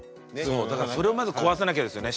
だからそれをまず壊さなきゃですよね。